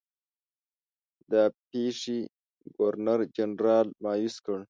دا پیښې ګورنرجنرال مأیوس کړ.